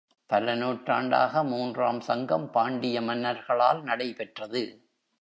பல நூற்றாண்டாக மூன்றாம் சங்கம் பாண்டிய மன்னர்களால் நடைபெற்றது.